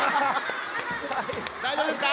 大丈夫ですか？